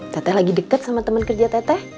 teteh lagi deket sama temen kerja teteh